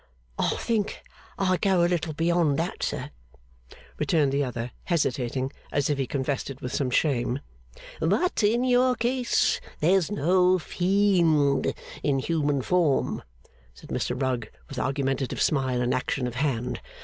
'I think I go a little beyond that, sir,' returned the other, hesitating, as if he confessed it with some shame. 'But in your case there's no fiend in human form,' said Mr Rugg, with argumentative smile and action of hand.